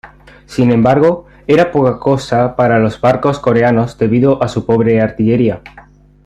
Sin embargo eran poca cosa para los barcos coreanos debido a su pobre artillería.